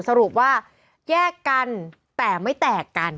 สรุปว่าแยกกันแต่ไม่แตกกัน